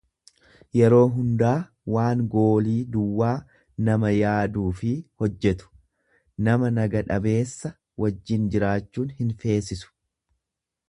yeroo hundaa waan goolii duwwaa nama yaaduufi hojjetu; Nama naga dhabeessa wajjin jiraachuu hinfeesisu.